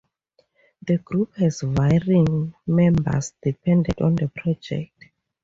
The group has varying members dependent on the project.